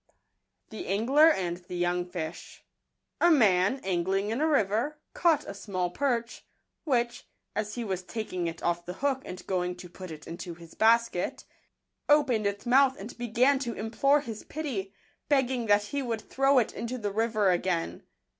SngUr anti tfj* ¥owig ,${$&. MAN, angling in a river, caught a small perch, which, as he was taking it off the hook and going to put it into his basket, opened its mouth and began to implore his pity, begging that he would throw it into the river again.